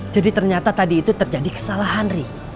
jadi ternyata tadi itu terjadi kesalahan ri